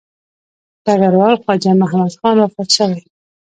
ډګروال خواجه محمد خان وفات شوی.